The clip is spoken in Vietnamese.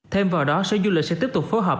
thêm vào đó sở du lịch sẽ tiếp tục phối hợp